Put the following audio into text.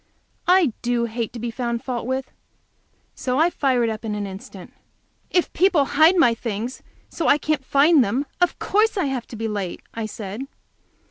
I do hate to be found fault with, so I fired up in an instant. "If people hide my things so that I can't find them, of course I have to be late," I said.